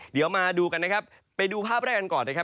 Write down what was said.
เดี๋ยวมาดูกันนะครับไปดูภาพแรกกันก่อนนะครับ